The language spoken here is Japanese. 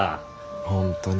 本当に。